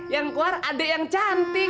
yang keluar ada yang cantik